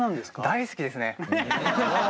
大好きですね。